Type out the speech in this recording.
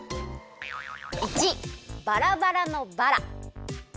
①バラバラのバラ。